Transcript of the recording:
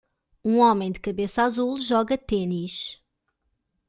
Um homem de cabeça azul joga tênis.